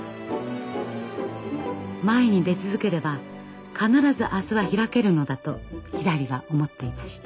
前に出続ければ必ず明日は開けるのだとひらりは思っていました。